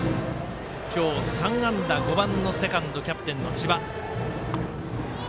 今日３安打５番のセカンドキャプテンの千葉。